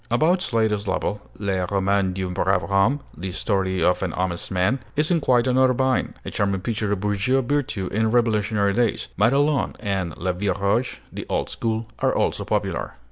About's latest novel, 'Le Roman d'un Brave Homme' (The Story of an Honest Man), is in quite another vein, a charming picture of bourgeois virtue in revolutionary days. 'Madelon' and 'La Vielle Roche' (The Old School) are also popular.